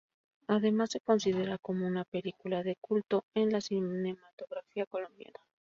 Además, se considera como una película de culto en la cinematografía colombiana.